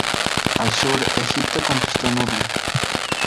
Al sur, Egipto conquistó Nubia.